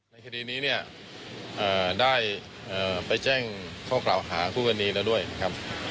ในคณีนี้เนี่ยเอ่อได้เอ่อไปแจ้งพกพาอาหาคู่กันนี้แล้วด้วยนะครับ